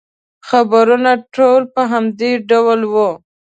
خبرونه ټول په دې ډول وو.